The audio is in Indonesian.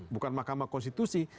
bukan mahkamah konstitusi